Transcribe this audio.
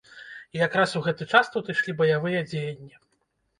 І якраз у гэты час тут ішлі баявыя дзеянні.